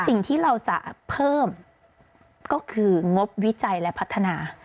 สิ่งที่เราจะเพิ่มก็คืองบวิจัยและพัฒนา